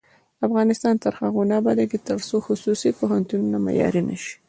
افغانستان تر هغو نه ابادیږي، ترڅو خصوصي پوهنتونونه معیاري نشي.